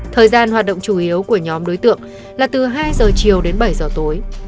thời gian hoạt động chủ yếu của nhóm đối tượng là từ hai h chiều đến bảy h tối